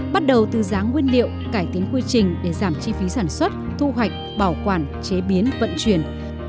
bắt đầu từ giá nguyên liệu cải tiến quy trình để giảm chi phí sản xuất thu hoạch bảo quản chế biến vận chuyển